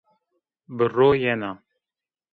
Birro yena.